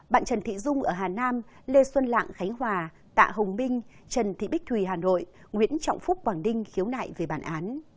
bạn trần thị dung ở hà nam lê xuân lạng khánh hòa tạ hồng minh trần thị bích thùy hà nội nguyễn trọng phúc quảng ninh khiếu nại về bản án